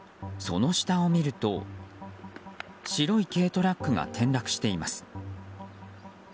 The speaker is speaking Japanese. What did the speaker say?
その下を見ると白い軽トラックが転落しています。